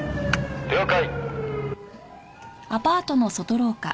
「了解」